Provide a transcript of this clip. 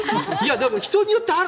多分人によってある。